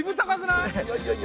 いやいやいや。